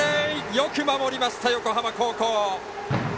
よく守りました、横浜高校。